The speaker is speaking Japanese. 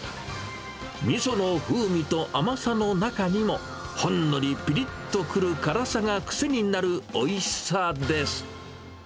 みその風味と甘さの中にも、ほんのりぴりっと来る辛さが癖になるおいしさです。